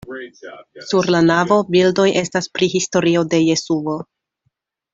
Sur la navo bildoj estas pri historio de Jesuo.